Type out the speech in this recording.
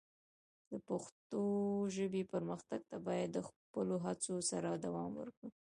د پښتو ژبې پرمختګ ته باید د خپلو هڅو سره دوام ورکړو.